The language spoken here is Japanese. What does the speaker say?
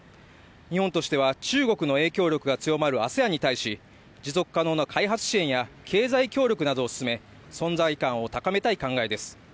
日本としては中国の影響力が強まるＡＳＥＡＮに対し持続可能な開発支援や経済協力などを進め、存在感を高めたい考えです。